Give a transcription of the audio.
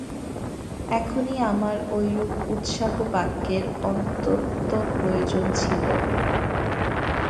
এখনই আমার ঐরূপ উৎসাহবাক্যের অত্যন্ত প্রয়োজন ছিল।